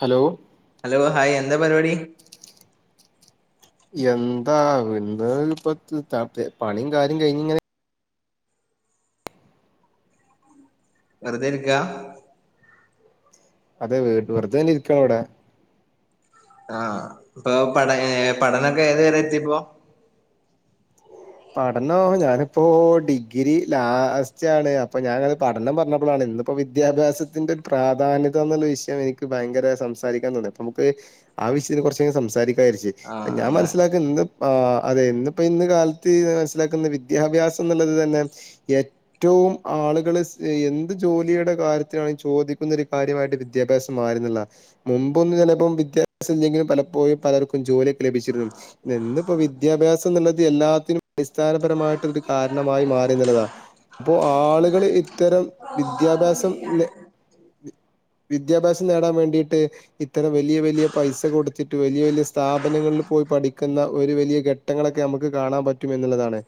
Hello hello hi എന്താ പരിപാടി എന്താ വെന്താ ഇപ്പ ത്ത് താ ത്തെ പണിയും കാര്യം കഴിഞ്ഞിങ്ങനെ. വെറുതെ ഇരിക്കാ അതെ വീ വെറുതെ തന്നെ ഇരിക്കാണിവിടെ. ആ ഇപ്പൊ പട പഠനൊക്കെ ഏതു വരെ എത്തിപ്പോ? പഠനോ ഞാനിപ്പോ ഡിഗ്രി ലാസ്റ്റ് ആണ്. അപ്പൊ ഞാനത് പഠനം പറഞ്ഞപ്പോളാണ്. ഇന്നിപ്പോ വിദ്യാഭ്യാസത്തിന്റെ പ്രാധാന്യതന്നുള്ള വിഷയം എനിക്ക് ഭയങ്കര സംസാരിക്കാൻ തന്നെ, അപ്പൊ നമുക്ക് ആ വിഷയം കൊറച്ചങ് സംസാരിക്കാ വിചാരിച്ച. ഞാൻ ആഹ് മനസ്സിലാക്ക ഇന്ന് അതെ ഇന്നിപ്പോ ഇന്ന് കാല ത്ത് മനസ്സിലാക്കുന്ന വിദ്യാഭ്യാസം ന്നുള്ളത് തന്നെ ഏറ്റവും ആളുകള് എന്ത്‌ ജോലിയുടെ കാര്യത്തിലാണെങ്കിൽ ചോദിക്കുന്നൊരു കാര്യവായിട്ട് വിദ്യാഭ്യാസം മാറിന്നുള്ളതാ മുമ്പൊന്നും ചിലപ്പോ വിദ്യ ദ്യാഭ്യാസല്ലെങ്കിലും പലപ്പോഴും പലർക്കും ജോലിയൊക്കെ ലഭിച്ചിരുന്നു ഇന്നിപ്പോ വിദ്യാഭ്യാസം ന്നുള്ളത് എല്ലാ അടിസ്ഥാനപരമായിട്ട് ഒരു കാരണമായി മാറി നുള്ളതാണ്, അപ്പോ ആളുകള് ഇത്തരം വിദ്യാ ദ്യാഭ്യാസം നേ ടി വിദ്യാഭ്യാസം നേടാൻ വേണ്ടിയിട്ട് ഇത്തരം വലിയ വലിയ പൈസ കൊടുത്തിട്ട് വലിയ വലിയ സ്ഥാപനങ്ങളിൽ. പോയി പഠിക്കുന്ന ഒരു വലിയ ഘട്ടങ്ങളൊക്കെ നമുക്ക് കാണാൻ പ റ്റും എന്നുള്ളതാണ്,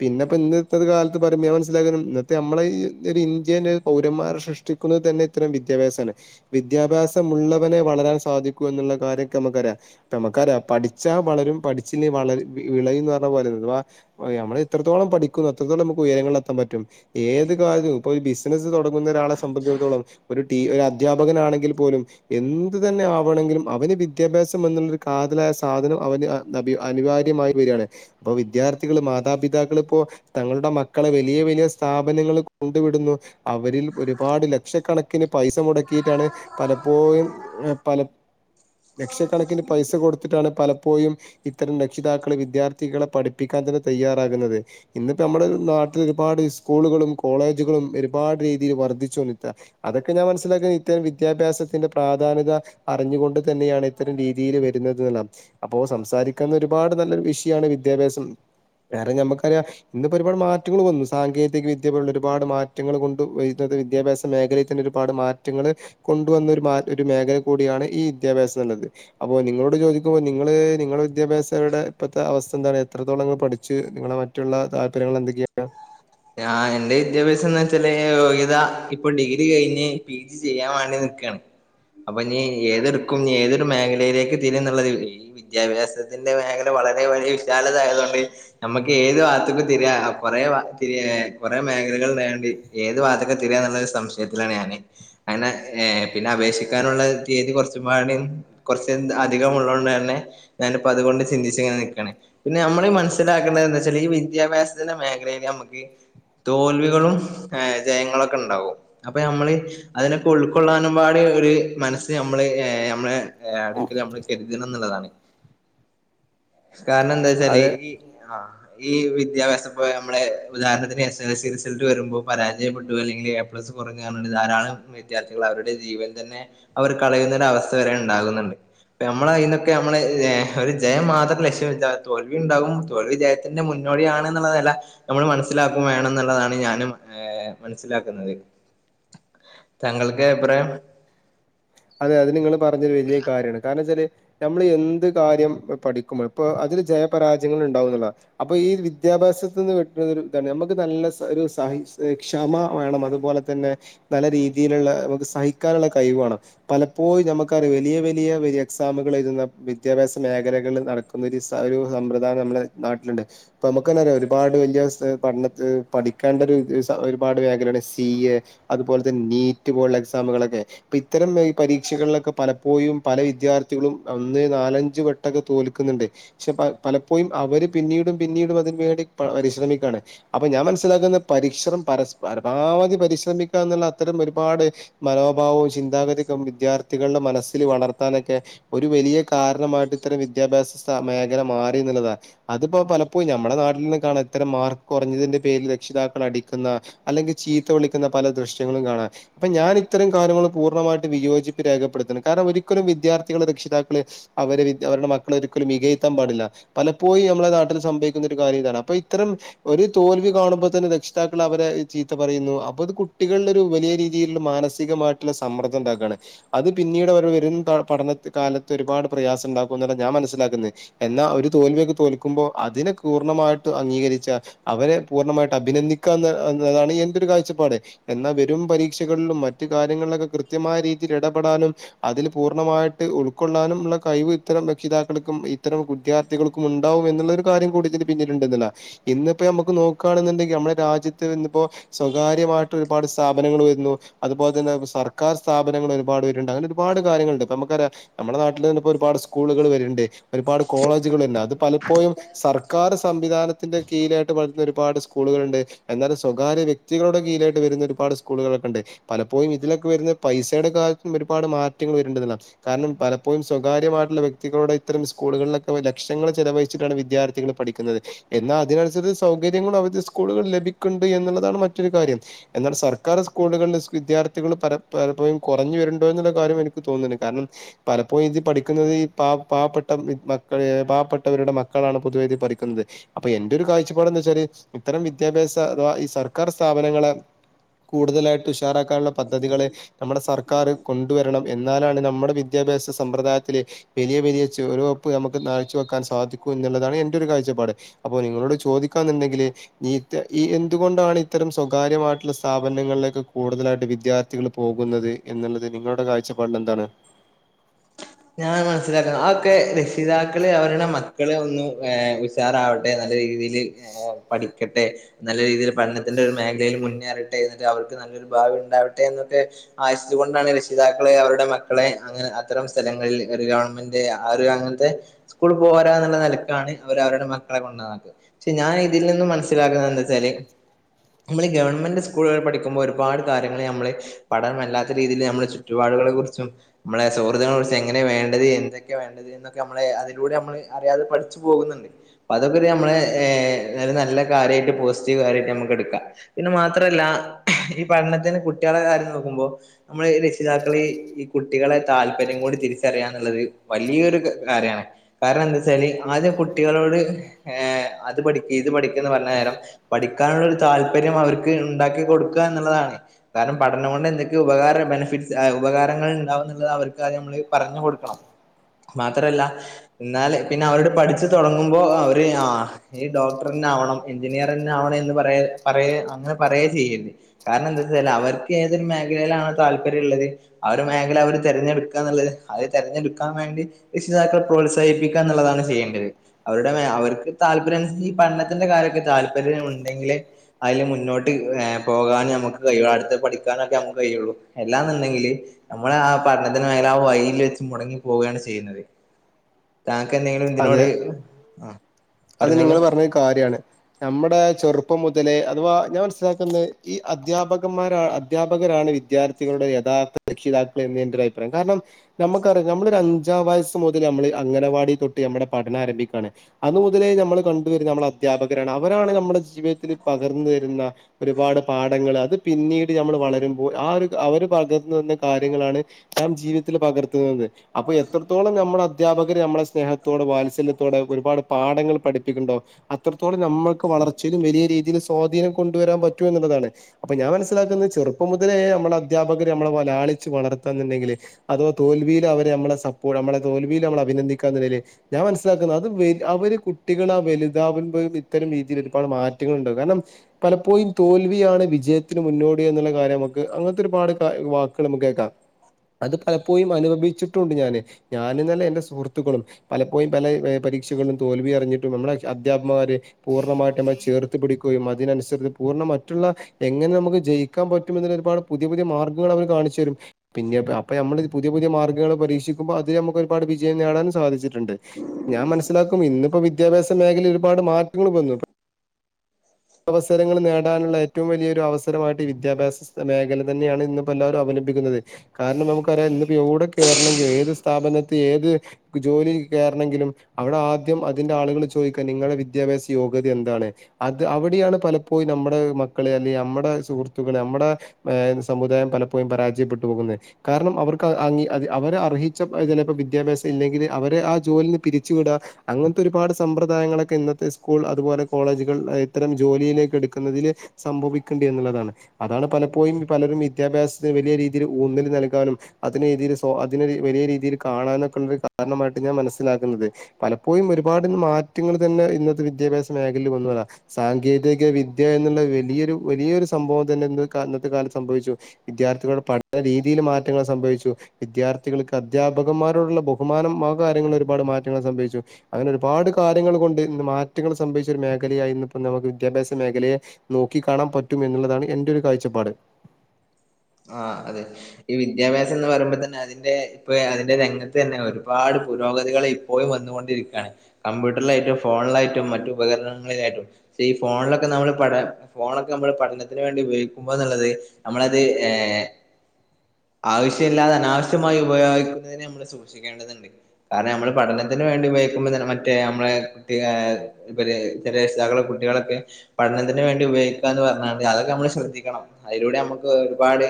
പിന്നെപ്പോ ഇന്നത്തെത് കാലത്ത് പറയുമ്പോ ഞാൻ മനസ്സിലാക്കുന്ന ഇന്നത്തെ നമ്മളെ ഈയൊരു ഇന്ത്യന്റെ പൗ പൗരന്മാരെ സൃഷ്ടിക്കുന്നത് തന്നെ ഇത്തരം വിദ്യാഭ്യാസമാണ്, വിദ്യാഭ്യാസമുള്ളവനെ വളരാൻ സാധിക്കൂ എന്നുള്ള കാര്യൊക്കെ നമുക്കറിയ നമക്കറിയാം പഠിച്ചാൽ വളരും പഠിച്ചില്ലേ വളര് വിളയുംന്ന് പറഞ്ഞ പോല അഥവാ നമ്മള് എത്രത്തോളം പഠിക്കും എത്രത്തോളം നമുക്ക് ഉയരങ്ങളിലെത്താൻപറ്റും ഏത് കാര്യവും ഇപ്പൊ ഈ ബിസിനസ് തൊടങ്ങ ങ്ങുന്നൊരാളെ സംബന്ധിച്ചിടത്തോളം ഒരു ടീ ഒരധ്യാപകനാണെങ്കിൽ പോലും എന്ത് തന്നെ ആവണെങ്കിലും അവ ന് വിദ്യാഭ്യാസം എന്നുള്ളൊരു കാതലായ സാധനം അവന് അ അഭി അനിവാര്യമായി വരാണ് അപ്പൊ വിദ്യാർ ത്ഥികള് മാതാപിതാക്കളിപ്പോ തങ്ങളുടെ മക്കളെ വലിയ വലിയ സ്ഥാപനങ്ങള് കൊണ്ടു വിടുന്നു അവര് [unintelligible] ഒരുപാട് ലക്ഷക്കണക്കിന് പൈസ മുടക്കിയിട്ടാണ് പലപ്പോഴും ഏ പല ലക്ഷക്കണക്കിന് പൈസ കൊടുത്തിട്ടാണ് പലപ്പോഴും ഇത്തരം രക്ഷിതാക്കള് വിദ്യാർത്ഥികളെ പ പ്പിക്കാൻ തന്നെ തയ്യാറാകുന്നത് ഇന്നിപ്പോ നമ്മുടെ നാട്ടിൽ ഒരുപാട് സ്കൂളുകളും കോളേജുകളും ഒരുപാ ട് രീതിയിൽ വർദ്ധിച്ച് വന്ന്ക്ക അതൊക്കെ ഞാൻ മനസ്സിലാക്കുന്നത് ഇത്തരം വിദ്യാഭ്യാസത്തിന്റെ പ്രധന്യത അറിഞ്ഞുകൊ അതുതന്നെയാണ് ഇത്തരം രീതിയില് വരുന്നത് ന്ന്ള്ളതാ അപ്പോ സംസാരിക്കാൻ ഒരുപാട് നല്ലരു വിഷയാണ് വിദ്യാഭ്യാസം വേറെ ഞമ്മക്കറിയാ ഇന്നിപ്പോ ഒരുപാട് മാറ്റങ്ങള് വന്നു സാങ്കേതിക വിദ്യ പോലുള്ള ഒരുപാട് മാറ്റങ്ങള് കൊണ്ട് വരുന്നത് വി വിദ്യാഭ്യാസ മേഖലയിൽ തന്നെ ഒരുപാട് മാറ്റങ്ങൾ കൊണ്ടുവന്നൊരു മാ ഒരു മേഖല കൂടിയാണ് ഈ വിദ്യാഭ്യാസംന്നുള്ളത് അപ്പൊ നിങ്ങളോട് ചോദിക്കുമ്പോ നിങ്ങള് നിങ്ങളെ വിദ്യാഭ്യാസവിടെ ഇപ്പഴത്തെ അവസ്ഥ എന്താണ് എത്രത്തോളങ്ങൾ പഠിച്ചു നിങ്ങളെ മറ്റുള്ള താല്പര്യങ്ങൾ എന്തൊക്കെയാ ഞാ എന്റെ വിദ്യാഭ്യാസം എന്ന് വെച്ചാല് യോഗ്യത ഇപ്പൊ ഡിഗ്രി കഴിഞ്ഞ് പി ജി ചെയ്യാൻ വേണ്ടി നി ക്കാണ് അപ്പൊ നീ ഏതെടുക്കും ഏതൊരു മേഖലയിലേക്ക് തിരിയുംന്നുള്ളത് ഈ വിദ്യാഭ്യാസത്തിന്റെ മേഖല വ വളരേ വലിയ വിശാലതായതോണ്ട് നമുക്ക് ഏത് വാത്ത്ക്കും തിരിയാ കൊറേവ [unintelligible] കൊറെേ മേഖലകൾള്ളോണ്ട് ഏത് വാത്ത്ക്കാ തിരിയാന്നുള്ളൊരു സംശയത്തിലാണ് ഞാന് അങ്ങനെ ഏ പിന്നെ അപേക്ഷിക്കാനുള്ള തിയതി കൊർച്ചുംപാടിം കൊർച്ച്ന്താ അധികം ഉള്ളോണ്ടെന്നെ ഞാന് പ്പത്കൊണ്ട് ചിന്തിച്ച്ങ്ങനെ നിക്കാണ് പിന്നെ നമ്മള് മനസ്സിലാക്കേണ്ടന്താവെച്ചാല് ഈ വിദ്യാഭ്യാസത്തിന്റെ മേഖലയിയില് നമ്മ തോൽവികളും ഏ ജയങ്ങളൊക്കെണ്ടാവും അപ്പൊ നമ്മള് അതിനൊക്കെ ഉൾക്കൊള്ളാനുംപാടി ഒരു മനസ്സ് നമ്മള് നമ്മളെ അടുക്കല് നമ്മള് കരുതണംന്നുള്ളതാണ് കാരണംന്താ വെച്ചാല് അതെ ഈ ആ ഈ വിദ്യാഭ്യാസംപ്പോ നമ്മള് ഉദാഹരത്തിന് S S L C result വെരുമ്പോ പരാജയപ്പെട്ടു അല്ലെങ്കില് എ പ്ലസ് കൊറഞ്ഞു പർഞ്ഞ്ട്ട് ധാരളം വിദ്യാർത്ഥികള അവരുടെ ജീവൻ തന്നെ അവർ കളയുന്നോരവസ്ഥ വരെ ഇണ്ടാകുന്നുണ്ട്. നമ്മളയിന്നൊക്കെ നമ്മള് ഏഹ് ഹെ ഒരു ജയം മാത്രം ലക്ഷ്യം വെ താതോൽവിണ്ടാകും തോൽവി ജയത്തിന്റെ മുൻ നോടിയാണ്ന്ന്ള്ളത് എല്ലാ നമ്മൾ മനസ്സിലാക്കും വേണം ന്ന്ള്ളതാണ് ഞാനും ഏഹ് മനസ്സിലാക്കുന്നത്. താങ്കൾക്ക് പ്രയം അതെ അത് നിങ്ങള് പറഞ്ഞൊരു വെല്യൊരു കാര്യാണ്. കാരണച്ചാല് നമ്മൾ എന്ത് കാര്യം പഠിക്കുമ്പോൾ പ്പൊ അത് ഒരു ജയപരാജയങ്ങള്ണ്ടാവുന്നുള്ള അപ്പൊ ഈ വിദ്യാഭ്യാസത്തിന്ന് വിട്ട് നിൽക്കാൻ ഞമ്മക്ക് നല്ല സ ഒരു സഹ ഏഹ് ക്ഷമ വേണം അത്പോലെ തെന്നെ നല്ല രീതിയില്ള്ള നമക്ക് സഹിക്കാന്ള്ള കയിവാണം. പലപ്പോഴും നമുക്കറിയാം വലിയ വലിയ വലിയ എക്സാമുകളെഴുതുന്ന വിദ്യാഭ്യാസ മേഖലകളില് നടക്കുന്നൊരു സ ഒരു സമ്പ്രദായം നമ്മുടെ നാട്ട്‌ല്ണ്ട്. ഇപ്പോ അമ്മക്കെനറ്യാ ഒരുപാട് വെല്ല്യ സ് പഠനത്ത് പഠിക്കേണ്ടോര് ഏഹ് സ ഒരുപാട് മേഖലയാണ് സി എ അത്പോൽ തെന്നെ നീറ്റ് പോലുള്ള എക്സാമ്കളൊക്കെ ഇപ്പെത്തരം മെ പരീക്ഷകളിലൊക്കെ പലപ്പോഴും പല വിദ്യാർത്ഥികളും ഒന്ന് നാലഞ്ച് വെട്ടൊക്കെ തോൽക്ക്ന്ന്ണ്ട് പക്ഷേ പ പലപ്പോഴും അവര് പിന്നീടും പിന്നീടും അതിന് വേണ്ടി പ പരിശ്രമിക്കാണ് അപ്പൊ ഞാൻ മനസ്സിലാക്കുന്നെ പരിശ് ശ്രം പരസ് പരമാവധി പരിശ്രമിക്കാന്ന്ള്ളെ അത്തരം ഒരുപാട് മനോഭാവും ചിന്താഗത്യൊ [unintelligible] വിദ്യാർത്ഥികൾടെ മനസ്സില് വളർത്താനെക്കെ ഒരു വെലിയ കാരണമായിട്ട്ത്തരം വിദ്യാഭ്യാസ സ്ഥാ മെ ഖല മാറിന്ള്ളതാ അത്പ്പോ പലപ്പോഴും നമ്മടെ നാട്ടിൽന്ന് കാണ ഇത്തരം മാർക്കൊറഞ്ഞതിന്റെ പേരിൽ രക്ഷിതാക്കള ടിക്കുന്ന അല്ലെങ്കി ചീത്ത വിളിക്കുന്ന പല ദൃശ്യങ്ങളും കാണാം അപ്പ ഞാനിത്തരം കാര്യങ്ങൾ പൂർണ്ണമായി വിയോജിപ്പ് രേഖപ്പെടുത്തണം കാരണം ഒരിക്കലും വിദ്യാർത്ഥികള് രക്ഷിതാക്കള് അവരെ അവരുടെ മക്കളെ ഒരിക്കലും മിക.. ാൻ പാടില്ല പലപ്പോഴും നമ്മളെ നാട്ടിൽ സംഭവിക്കുന്ന ഒരു കാര്യം ഇതാണ് അപ്പൊ ഇത്തരം ഒരു തോൽവി കാണുമ്പോൾ തന്നെ.. രക്ഷിതാക്കൾ അവരെ ചീത്ത പറയുന്നു അപ്പൊ ഇത് കുട്ടികളില് ഒരു വലിയ രീതിയിലുള്ള മാനസികമായിട്ടുള്ള സമ്മർദ്ദം ഉണ്ടാക്കും. അത് പിന്നീട് അവർ വരുന്ന പഠന കാലത്ത് ഒരുപാട് പ്രയാസം ഉണ്ടാക്കും എന്നല്ല ഞാൻ മനസ്സിലാക്കുന്നു. എന്നാ ഒരു തോൽവിയൊക്കെ തോൽക്കുമ്പോൾ അതിനെ പൂർണ്ണമായിട്ട് അംഗീകരിച്ചാ അവരെ പൂർണ്ണമായിട്ട് അഭിനന്ദി.. താണ് എന്റെൊ ഒരു കാഴ്ചപ്പാട് എന്നൽ വെരും പരീക്ഷകളിലും മറ്റു കാര്യങ്ങളിലൊക്കെ കൃത്യമായ രീതി.. ഇടപെടാനും അതിൽ പൂർണ്ണമായിട്ട് ഉൾക്കൊള്ളാനും ഉള്ള കഴിവ് ഇത്തരം രക്ഷിതാക്കൾക്കും ഇത്തരം.. വിദ്യാർത്ഥികൾക്കും ഉണ്ടാവും എന്നുള്ളരു കാര്യം കൂടിതി പിന്നിലുണ്ടുന്നില്ല ഇന്ന്ഇപ്പോ നമുക്ക് നോക്കുകണെന്നുണ്ടെങ്കിൽ നമ്മുടെ രാജ്.. ജിത്ത് എോ സ്വകാര്യമായിട്ട് ഒരുപാട് സ്ഥാപനങ്ങൾ വരുന്നു അതുപോലെ തന്നെ സർക്കാർ സ്ഥാപനങ്ങൾ ഒരുപാട് വരു.. ണ്ട് അങ്ങനെപാട് കാര്യങ്ങളുണ്ട് ഇപ്പ നമ്മക്കറിയാം നമ്മുടെ നാട്ടിൽ തന്നപ്പോ ഒരുപാട് സ്കൂളുകൾ വരുണ്ട്. ഒരുപാട് കോളേജുകൾ വരുന്നുണ്ട് അത് പലപ്പോഴും സർക്കാർ സംവിധാനത്തിന്റെ കീഴിലായ്... ഒരുപാട് സ്കൂളുകളൾുണ്ട് എന്നാല സാകാര്യവ്യക്തികളുടെ കീഴിലായിട്ട് വരുന്ന ഒരുപാട് സ്കൂളുകളൊക്കെ ഉണ്ട് പല.. പ്പോയി ഇതിലൊക്കെ വരുന്ന.. പൈസയുടെ കാല ഒരുപാട് മാറ്റങ്ങൾ വരണ്ടതല്ല കാരണം പലപ്പോഴും സ്വകാര്യമായിട്ടുള്ള വ്യക്തികളോട് ഇത്തരം.. സ്കൂളുകളിലൊക്കെ ലക്ഷങ്ങൾചെലവഴിച്ചിട്ടാണ് വിദ്യാർഥികൾ പഠിക്കുന്നത് എന്നാൽ അതിനനുസരിച്ച് സൗകര്യം അവരുടെ സ്കൂ.. സ്കൂളുകൾ ലഭിക്കണ്ട് എന്നുള്ളതാണ് മറ്റൊരു കാര്യം എന്നാൽ സർക്കാർ സ്കൂളുകളിൽ വിദ്യാർത്ഥികൾ പരം.. പലപ്പോഴും കുറഞ്ഞു വരുണ്ടോ എന്നുള്ള കാര്യം എനിക്ക് തോന്നുന്നുണ്ട് കാരണം പലപ്പോഴും ഇത് പഠിക്കുന്നത് ഈ പ പാവപ്പെട്ട.. മക്ക പാവപ്പെട്ടവരുടെ മക്കളാണ് പൊതുവേുതി പ പറിക്കുന്നത് അപ്പൊ എന്റെ ഒരു കാഴ്ചപ്പാട് വെച്ചാല്. ഇത്തരം വിദ്യാഭ്യാസ അഥവാ ഈ സർക്കാർ സ്ഥാപനങ്ങളെ കൂടുതലായിട്ട് ഉഷാറാക്കാനുള്ള പദ്ധതികളെ. നമ്മുടെ സർക്കാർ കൊണ്ടുവരണം എന്നാലാണ് നമ്മുടെ വിദ്യാഭ്യാസ സമ്പ്രദായത്തിലെ വലിയ വലിയ ചര.. പ്നമുക് കാഴ്ച്ച വെക്കാൻ സാധിക്കും എന്നുള്ളതാണ് എന്റെ ഒരു കാഴ്ചപ്പാട് അപ്പോൊ നിങ്ങളോട് ചോദിക്കാ എന്നുണ്ടെങ്കിൽ നീ.. ഈ എന്തുകൊണ്ടാണ് ഇത്തരം സ്വകാര്യമായിട്ടുള്ള സ്ഥപനങ്ങളിലേക്കെ കൂടുതലായിട്ട് വിദ്യാർത്ഥ.. കൾ പോകുന്നത് എന്നുള്ളത് നിങ്ങളുടെ കാഴ്ചപ്പാടിൽ എന്താണ്. ഞാൻ മനസ്സിലാക്കുന്നു അ ഒക്കെ രക്ഷിതാക്കള് അവരുടെ മക്കള് ഒന്നും ഉഷാറാവട്ടെ. നല്ല രീതിൽ പഠിക്കട്ടെ നല്ല രീതിയിൽ പഠനത്തിന്റെ ഒരു മേഖലയിൽ മുന്നേറട്ടെ എന്നിട്ട് അവർക്ക്.. നരു ഭാവി ഉണ്ടാവട്ടെ എന്നൊക്കെ ആശിച്ച കൊണ്ടാണ് രക്ഷിതാക്കളെ അവരുടെ മക്കളെ അങ്ങനെ അത്തരം.. സ്ഥലങ്ങളിൽ ഒരു ഗവൺമെന്റ് ആ അങ്ങനത്തെ സ്കൂൾ പോകരാന്നുള്ള നിലക്കാണ് അവ അവരുടെ മക്കളെ കൊ.. പക്ഷെ ഞാൻ ഇതിൽ നിന്നും മനസ്സിലാക്കുന്ന എന്താ വെച്ചാല്. നമ്മൾ ഗവൺമെന്റ് സ്കൂളുകൾ പഠിക്കുമ്പോൾ ഒരു പാട് കാര്യങ്ങൾ നമ്മള് പഠനമല്ലാത്ത രീതിൽ നമ്മളെ ചുറ്റുപാട.. കുറിച്ചും നമ്മളെ.. ച്ച് എങ്ങനെ വേണ്ടത് എന്തൊക്കെ വേണ്ടത് എന്നൊക്കെ നമ്മളെ അതിലൂടെ നമ്മള് അറിയാതെ പഠിച്ചു പോകുന്നുണ്ട്. അതൊക്കെ നമ്മളള് ഹ ഒരു നല്ല കാര്യമായിട്ട് പോസിറ്റീവ് കാര്യമായിട്ട് നമുക്ക് എടുക്കാം പിന്നെ മാത്രല്ല.. ഈ പഠനത്തിന് കുട്ടികളെ കാര്യം നോക്കുമ്പോ നമ്മള് രക്ഷിതാക്കള ഈ കുട്ടികളെ താല്. താല്പര്യ കൊണ്ട്തിരിച്ചറിയാ എന്നുള്ളത് വലിയൊരു കാര്യമാണ് കാരണം എന്താ വെച്ചാല് ആദ്യം കുട്ടികളോട്. എഅത് പഠിക്ക് ഇത് പഠിക്ക്ന്ന് പറഞ്ഞ നേരം പഠിക്കാനുള്ളരു താല്പര്യം അവർക്ക് ഉണ്ടാക്കി.. കൊടുക്കുക എന്നുള്ളതാണ് കാരണം പഠനം കൊണ്ട് എന്തൊക്കെ ഉപകാര ബെനിഫിറ്റ് ഉപകാരങ്ങൾ ഉണ്ടാവുള്ളത് അവർക്ക്. കാര്യങ്ങൾള് പറഞ്ഞു കൊടുക്കണം മാത്രല്ല എന്നാല് പിന്നെ അവരുട് പഠിച്ചു തുടങ്ങുമ്പോ അവര് ആ ഈ ഡോക്ടറി.. ഞാവണം എൻജിനീയറ്ന്നാവണം എന്ന് അങ്ങനെ പറയുക ചെയ്യേ കാരണം എന്താ വ അവർക്ക്.. ഏതൊ മേഖലയിലാണോ താല്പര്യംള്ളത് ആ ഒരു മേഖല അവര് തതിരഞ്ഞെടുക്ക.. എന്നത് അത് തതിരഞ്ഞെടുക്കാൻ വേണ്ടി രക്ഷിതാക്കൾെ പ്രോത്സാഹിപ്പിക്കുക എന്നുള്ളതാണ് ചെയ്യേണ്ടത് അവരുടെ.. അവർക്ക് താല്പര്യംഈ പഠനത്തിന്റെ കാര്യമൊക്കെ താല്പര്യം ഉണ്ടെങ്കിൽ അതില് മുന്നോട്ട്.. പോകാനൻ നമുക്ക് കഴിയുള്ളൂ അടുത്ത പഠിക്കാനൊക്കെ നമുക്ക് കഴിയുള്ളൂ എല്ലാെന്നുണ്ടെങ്കില് നമ്മളെആ പഠന.. ആ വഴിയിൽവെച്ച് മുടങ്ങി പോവുകയാണ് ചെയ്യുന്നത്. താക്ക് എന്തെങ്കിലും അത് ഇന്തിനോട് ആ അത് നിങ്ങള്ൾ പറഞ്ഞോളൂ പറഞ്ഞത് കാര്യാണ്. നമ്മുടെ ചെറുപ്പം മുതലേ അഥവാ ഞാൻ മനസ്സിലാക്കുന്നത് ഈ അദ്ധ്യാപകന്മാര അധ്യാപകരാണ്. വിദ്യാർത്ഥികളുടെ യഥാർഥ രക്ഷിതാക്ക ൾഎന്ന് എന്റെ അഭി്രായം കാരണം നമുക്കറിയാം നമ്മള ഒരു അഞ്ചാം വയസ്സ് മു.. നമ്മൾ അംഗനവാടി തൊട്ട് നമ്മുടെ പഠനം ആരംഭിക്കയാണ് അ. [unintelligible] നമ്മൾ കണ്ടുവരുന്ന നമ്മുടെ അധ്യാപകരാണ് അവരാണ് നമ്മുടെ ജീവിതത്തിൽ പകർന്നു വരുന്ന ഒരുപാട് പാഠ- ങ്ങൾ അത് പിന്നീട് നമ്മൾ വളരുമ്പോൾ ആ ഒരു അവര് പകർന്നു തന്ന കാര്യങ്ങളാണ് ന ജീവിതത്തിൽ അപ്പൊ എത്രത്തോളം നമ്മുടെ അധ്യാപകര് നമ്മുടെ സ്നേഹത്തോട് വാത്സല്യത്തോട് ഒരുപാട് പാഠങ്ങൾ പഠിപ്പിക്കുന്നുണ്ടോ അത്രത്തോളം നമ്മൾക്ക് വളർച്ചയിലും വലിയ രീതിയിൽ സ്വാധീനം കൊണ്ടുവരാൻ പറ്റും എന്നുള്ളത് അതാണ് അപ്പൊ ഞാൻ മനസ്സിലാക്കുന്നത് ചെറുപ്പം മുതലേ നമ്മളെ അധ്യാപകര് നമ്മളെ ലാളിച്ച് വളർത്താന്നുണ്ടെങ്കില് അഥവാ തോൽവിയിൽ അവരെ നമ്മളെ സപ്പോർട്ട് നമ്മെ തോൽവിയിൽ നമ്മളെ അഭിനന്ദിക്കുന്നത് ഞാൻ മനസിലാക്കുന്നത് അവര് കുട്ടികൾ ആ വലുതാവുമ്പോ ഇത്തരം രീതിയിൽ ഒരുപാട് മാറ്റങ്ങൾ ഉണ്ടാാവും കാരണം പലപ്പോഴും തോൽ- വിയാണ് വിജയത്തിന് മുന്നോടി എന്നുള്ള കാര്യം നമക്ക് അങ്ങനത്തെ ഒരുപാട് വാക്കുകൾ നമുക്ക് കേക്കാം അത് പലപ്പോഴും അനുഭവിച്ചിട്ടുണ്ട് ഞാന് ഞാനെന്നല്ല എൻറെ സുഹൃത്തുക്കളും പലപ്പോഴും പല പരീ- ക്ഷകളും തോൽവി അറിഞ്ഞിട്ടും നമ്മുടെ അധ്യാപകമാരെ പൂർണ്ണമായിട്ട് ചേർത്തു പിടിക്കുകയും അതിനനുസരിച്ച് പൂർണ്ണ- മറ്റുള്ള എങ്ങനെ നമുക്ക് ജയിക്കാൻ പറ്റും എന്ന ഒരുപാട് പുതിയ പുതിയ മാർഗങ്ങൾ അവർ കാണിച്ചു തരും പിന്നെ അ- അപ്പൊ നമ്മൾ പുതിയ പുതിയ മാർഗ്ഗങ്ങ പരീക്ഷിക്കുമ്പോ അത് നമുക്ക് ഒരുപാട് വിജയം നേടാനും സാധിച്ചിട്ടുണ്ട് ഞാൻ മനസി- മനസ്സിലാക്കും ഇന്നിപ്പോ വിദ്യാഭ്യാസ മേഖലയില് ഒരുപാട് മാറ്റങ്ങൾ വന്നിട്ടുണ്ട് അവസരങ്ങൾ നേടാനുള്ള ഏറ്റവും വലിയൊരു അവസരമായിട്ട് വിദ്യാഭ്യാസ മേഖല തന്നെയാണ് ഇന്ന് പലാവരും അവലംബി- ക്കുന്നത്. കാരണം നമുക്കറിയാം ഇന്ന് എവുടെ കേറണമെങ്കിലും ഏത് സ്ഥാപനത്തി ഏത് ജോലി കേറ- ണങ്കിലുംഅവിടെ ആദ്യം അതിന്റെ ആളുകൾ ചോദിക്കാ നിങ്ങളുടെ വിദ്യാഭ്യാസ യോഗ്യത എന്താണ്? അ- ത് അവിടെയാണ് പലപ്പോഴും നമ്മുടെ മക്കളെ അല്ലെങ്കിൽ നമ്മുടെ സുഹൃത്തുക്കളെ നമ്മുടെ സമുദായം പലപ്പോഴും പരാജയപ്പെട്ടു പോകുന്നത് കാരണം അവർക്ക് [unintelligible] അവ അർഹിച്ച ചിലപ്പോ വിദ്യാഭ്യാസം ഇല്ലെങ്കിൽ അവരെ ആ ജോലിന്ന് പിരിച്ചുവിടാം അങ്ങനത്തെ ഒരുപാട് സമ്പ്രദായങ്ങളൊക്കെ ഇന്നത്തെ സ്കൂൾ അതുപോലെ കോളേജുകൾ ആയി- ഇത്തരം ജോലിയിലേക്ക് എടുക്കുന്നതിൽ സംഭവിക്കേണ്ട എന്നുള്ളതാണ് അതാണ് പലപ്പോഴും പലരും വിദ്യാഭ്യാസത്തിന് വലിയ രീതിൽ ഊന്നൽ നൽകാനും അതിന് രീതിൽ അതിന് വലിയ രീതിയിൽ കാണാനും ഒക്കെയുള്ള ഒരു കാരണമായിട്ട് ഞാൻ മനസ്സിലാക്കുന്നത് പലപ്പോഴും ഒരുപാട് മാറ്റങ്ങൾ തന്നെ ഇന്നത്തെ വിദ്യാഭ്യാസ മേഖലയിൽ വന്നതാ സാങ്കേതിക വിദ്യ എന്നുള്ള വലിയൊരു വലിയൊരു സംഭവം തന്നെ ഇന്നത്തെ കാലത്ത് സംഭവിച്ചു വിദ്യ വിദ്യാർത്ഥികളട് പഠന രീതിയിൽ മാറ്റങ്ങൾ സംഭവിച്ചു വിദ്യാർത്ഥികൾക്ക് അധ്യാപകന്മാരോടുള്ള ബഹുമാനംമാ- അങ്ങനെ ഒരുപാട് മാറ്റങ്ങൾ സംഭവിച്ചു അങ്ങനെ ഒരുപാട് കാര്യങ്ങൾ കൊണ്ട് ഇന്ന് മാറ്റങ്ങൾ സംഭവിച്ച ഒരു മേഖലയായി ഇന്ന് ഇന്ന് നമുക്ക് വിദ്യാഭ്യാസ മേഖലയെ നോക്കി കാണാൻ പറ്റും എന്നുള്ളതാണ് എന്റെ ഒരു കാഴ്ചപ്പാട് ആ അതെ ഈ വിദ്യാഭ്യാസം എന്ന് പറയുമ്പോ തന്നെ അതിന്റെ ഇപ്പ അതിന്റെ രംഗത്ത് തന്നെ ഒരുപാട് പുരോഗതികളെ ഇപ്പോഴും വന്നുകൊണ്ടിരിക്കുകയാണ് കമ്പ്യൂട്ടറിലായിട്ടും ഫോണിലായിട്ടും മറ്റു ഉപകരണങ്ങളിലായിട്ടും പക്ഷെ ഈ ഫോണിലൊക്കെ നമ്മള് പഠന ഫോണൊക്കെ നമ്മള് പഠനത്തിന് വേണ്ടി ഉപയോഗിക്കുമ്പോ എന്നുള്ളത് നമ്മള് അത് ഏ..... ആവശ്യം ഇല്ലാതെ അനാവശ്യമായി ഉപയോഗിക്കുന്നതിനെ നമ്മൾ സൂക്ഷിക്കേണ്ടതുണ്ട് കാരണം നമ്മൾ പഠനത്തിന് വേണ്ടി മറ്റേ നമ്മളെ കുട്ടി [unintelligible] രക്ഷിതാക്കള കുട്ടികളക്കെ പഠനത്തിന് വേണ്ട ഉപയോഗിക്കന്ന് പറഞ്ഞണ്ട് അതൊക്കെ നമ്മ ശ്രദ്ധിക്കണം അതിലൂടെ നമുക്ക് ഒരുപാട്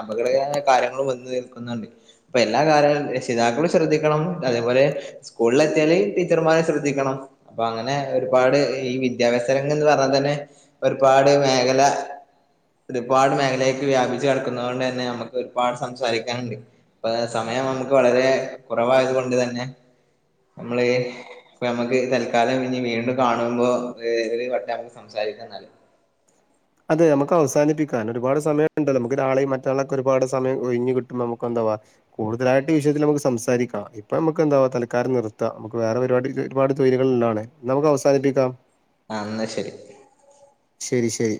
അപകടകരമായ കാര്യങ്ങളും വന്ന് നിൽക്കുന്നുണ്ട്., അപ്പോഎല്ലാ കാര്യങ്ങളും രക്ഷിതാക്കളും ശ്രദ്ധിക്കുക ശ്രദ്ധണം അതേപോലെ സ്കൂളിൽ എത്തിയാല് ടീച്ചർമാര് ശ്രദ്ധിക്കണം അപ്പൊ അങ്ങനെ ഒരുപാട് ഈ വിദ്യാഭ്യാസ രംഗം എന്ന് പറഞ്ഞാൽ തന്നെ ഒരുപാട് മേഖല ഒരുപാട് മേഖലയിൽ വ്യാപിച്ച് കിടക്കുന്നത് കൊണ്ടു തന്നെ നമുക്ക് ഒരുപാട് സംസാരിക്കാനുണ്ട്. സമയം നമുക്ക് വളരെ കുറവായത് കൊണ്ട് തന്നെ നമ്മള് ഇപ്പ നമുക്ക് തൽക്കാലം ഇനി വീണ്ടും കാണുമ്പോ [unintelligible] നമുക്ക് സംസാരി രിക്ക എന്നാല് അതെ നമുക്ക് അവാനിപ്പിക്കാം. ഒരുപാട് സമയം ണ്ടല്ലോ നമുക്ക് നാളെയും മറ്റന്നാളുമൊക്കെ ഒരുപാട് സമയം ഒഴിഞ്ഞ് കിട്ടുമ്പോ നമുക്ക് എന്താ കൂടുതലായിട്ട് വിഷയത്തിൽ നമുക്ക് സംസാരിക്കാം ഇപ്പൊ നമുക്ക് എന്താ തൽക്കാലം നിർത്താം വേറെ പരിപാടി [unintelligible] ഒരുപാട് തൊഴില്കളുള്ളതാണ് നമുക്ക് അവസാനിപ്പിക്കാം ആ എന്നാ ശരി ശരി ശരി